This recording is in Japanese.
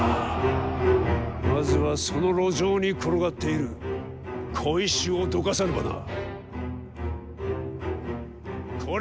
まずはその路上に転がっている小石をどかさねばな。